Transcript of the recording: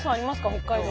北海道。